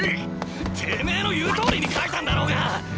テメーの言うとおりに書いたんだろうが！！